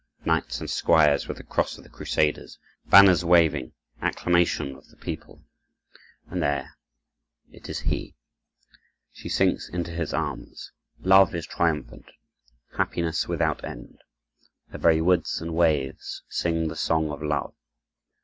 Knights and squires with the cross of the crusaders, banners waving, acclamations of the people. And there, it is he! She sinks into his arms. Love is triumphant. Happiness without end. The very woods and waves sing the song of love.